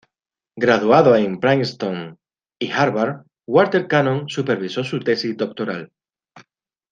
Graduado en Princeton y Harvard, Walter Cannon supervisó su tesis doctoral.